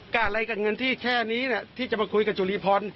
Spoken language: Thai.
อะไรกับเงินที่แค่นี้ที่จะมาคุยกับจุรีพร